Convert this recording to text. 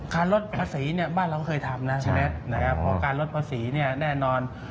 การลดภาษีบ้านเราก็เคยทำนะพอการลดภาษีแน่นอน